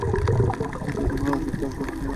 হয়তো তোমার উচিৎ কারো সাহায্য নেওয়া।